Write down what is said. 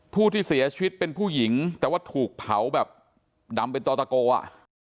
ผู้ที่เสียชีวิตเป็นผู้หญิงแต่ว่าถูกเผาแบบดำเป็นต่อตะโกอ่ะ